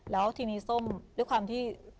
แล้วทีนี้ส้มด้วยความที่